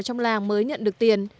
trong làng mới nhận được tiền